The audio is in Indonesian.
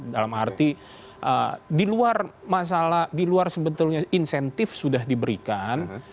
dalam arti di luar masalah di luar sebetulnya insentif sudah diberikan